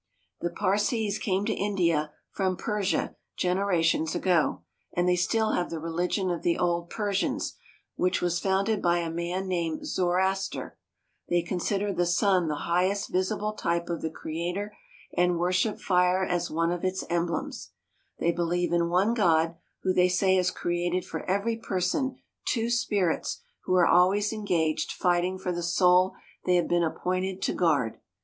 The Parsees came to India from Persia generations ago, and they still have the religion of the old Persians, which was founded by a man named Zoroaster. They consider the sun the highest visible type of the Creator, and worship 254 THE CITIES OF INDIA fire as one of its emblems. They believe in one God, who they say has created for every person two spirits who are always engaged fighting for the soul they have been ap pointed to guard.